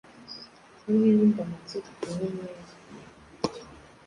Hamwe n'indamutso kuva 'inyenyeri',